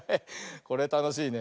これたのしいね。